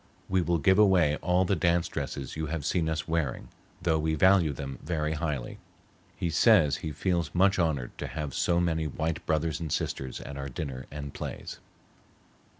We will give away all the dance dresses you have seen us wearing, though we value them very highly.' He says he feels much honored to have so many white brothers and sisters at our dinner and plays."